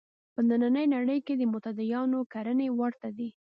په نننۍ نړۍ کې د متدینانو کړنې ورته دي.